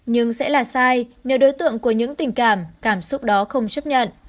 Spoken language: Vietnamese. nhưng sẽ là sai nếu đối tượng của những tình cảm cảm xúc đó không chấp nhận